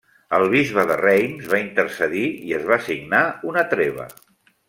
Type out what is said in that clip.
El bisbe de Reims va intercedir i es va signar una treva.